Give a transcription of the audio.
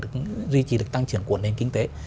duy trì được tăng trưởng của nền kinh tế